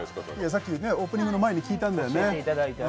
さっきオープニングの前に聞いたんだよね。